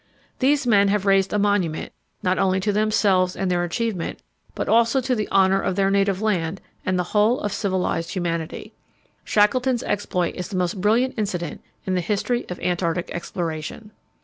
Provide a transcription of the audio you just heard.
These men have raised a monument, not only to themselves and their achievement, but also to the honour of their native land and the whole of civilized humanity. Shackleton's exploit is the most brilliant incident in the history of Antarctic exploration.